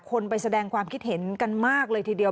คนไปแสดงความคิดเห็นกันมากเลยทีเดียว